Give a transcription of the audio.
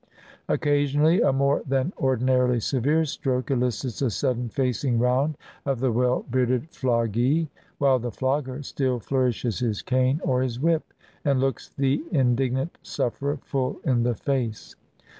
Occasionally a more than ordinarily severe stroke elicits a sudden facing round of the well 208 THE FESTIVAL OF THE MOHURRIM bearded floggee; while the flogger still flourishes his cane or his whip, and looks the indignant sufferer full in the face.